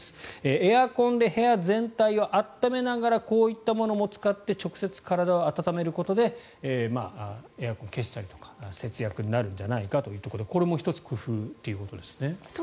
エアコンで部屋全体を暖めながらこういったものも使って直接体を温めることでエアコンを消したりとか節約になるんじゃないかということでこれも１つ工夫ということですね。